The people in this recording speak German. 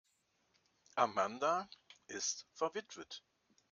Amanda ist verwitwet.